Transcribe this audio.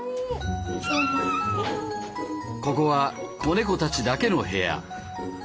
ここは子猫たちだけの部屋。